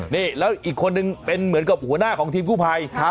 นี่แล้วอีกคนนึงเป็นเหมือนกับหัวหน้าของทีมกู้ภัย